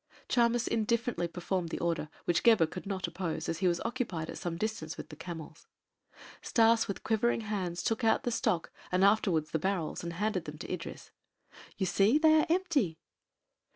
Chamis indifferently performed the order, which Gebhr could not oppose, as he was occupied at some distance with the camels. Stas with quivering hands took out the stock and afterwards the barrels, and handed them to Idris. "You see they are empty."